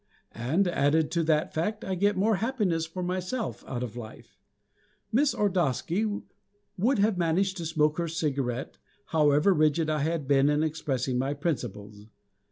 And, added to that fact, I get more happiness for myself out of life. Miss Ordosky would have managed to smoke her cigarette, however rigid had I been in expressing my principles.